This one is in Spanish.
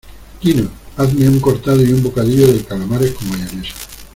Quino, hazme un cortado y un bocadillo de calamares con mayonesa.